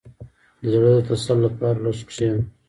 • د زړۀ د تسل لپاره لږ کښېنه.